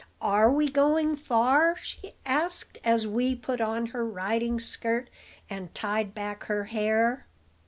"Are we going far?" she asked, as Wee put on her riding skirt, and tied back her hair.